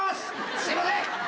すいません。